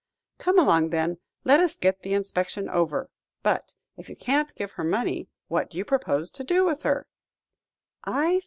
"Come along, then; let us get the inspection over. But, if you can't give her money, what do you propose to do with her?"